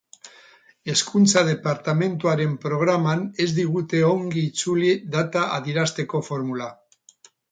Hezkuntza Departamenduaren programan ez digute ongi itzuli data adierazteko formula.